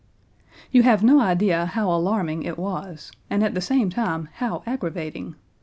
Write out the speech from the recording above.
_] You have no idea how alarming it was, and at the same time how aggravating.